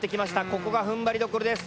ここがふんばりどころです。